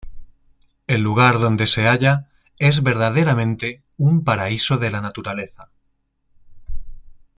El lugar donde se halla es verdaderamente un paraíso de la naturaleza.